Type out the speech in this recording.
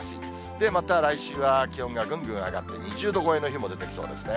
で、また来週は気温がぐんぐん上がって２０度超えの日も出てきそうですね。